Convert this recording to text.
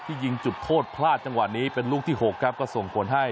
ยิงจุดโทษพลาดจังหวะนี้เป็นลูกที่๖ครับก็ส่งผลให้